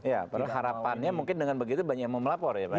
ya harapannya mungkin dengan begitu banyak yang mau melapor ya pak